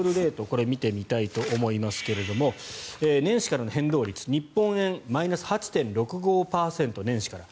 これを見てみたいと思いますが年始からの変動率日本円、マイナス８．６５％年始から。